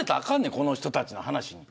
この人たちの話に。